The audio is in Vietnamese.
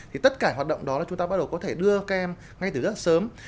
thì tất cả hoạt động đó là chúng ta bắt đầu có thể đưa các em ngay từ rất sớm